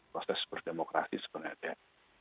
proses berdemokrasi sebenarnya